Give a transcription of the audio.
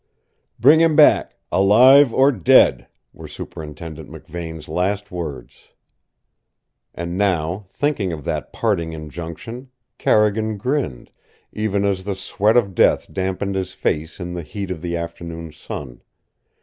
"Bring him back, alive or dead," were Superintendent McVane's last words. And now, thinking of that parting injunction, Carrigan grinned, even as the sweat of death dampened his face in the heat of the afternoon sun.